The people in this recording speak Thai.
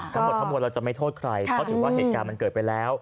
ทั้งหมดทั้งมวลเราจะไม่โทษใครเพราะถือว่าเหตุการณ์มันเกิดไปแล้ว